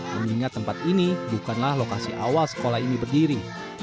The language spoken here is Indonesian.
mengingat tempat ini bukanlah lokasi awal sekolah ini berdiri